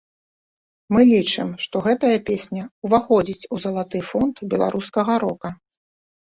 Мы лічым, што гэтая песня ўваходзіць у залаты фонд беларускага рока.